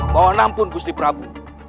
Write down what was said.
mohon ampun gusti prabu